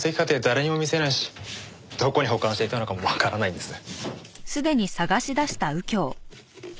誰にも見せないしどこに保管していたのかもわからないんです。